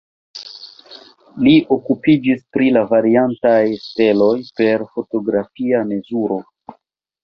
Li okupiĝis pri la variantaj steloj per fotografia mezuro.